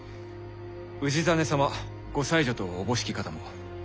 氏真様ご妻女とおぼしき方も。